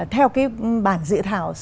theo cái bản dự thảo